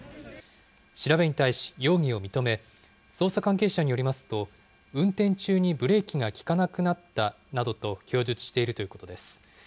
調べに対し容疑を認め、捜査関係者によりますと、運転中にブレーキが利かなくなったなどと供述しているということです。